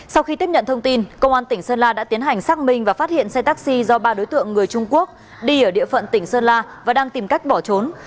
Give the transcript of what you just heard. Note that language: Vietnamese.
sau khi tiếp nhận thông tin công an tỉnh sơn la đã tiến hành xác minh và phát hiện xe taxi do ba đối tượng người trung quốc đi ở địa phận tỉnh sơn la và đang tìm cách bỏ trốn